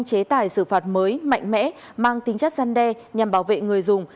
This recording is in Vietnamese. công chế tải sự phạt mới mạnh mẽ mang tính chất gian đe nhằm bảo vệ người dùng